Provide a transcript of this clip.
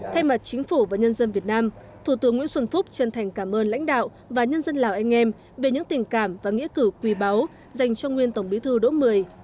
thay mặt chính phủ và nhân dân việt nam thủ tướng nguyễn xuân phúc chân thành cảm ơn lãnh đạo và nhân dân lào anh em về những tình cảm và nghĩa cử quỳ báu dành cho nguyên tổng bí thư đỗ mười